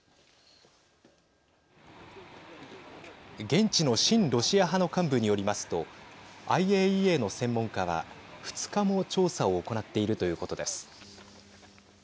現地の親ロシア派の幹部によりますとＩＡＥＡの専門家は２日も調査を行っているということです。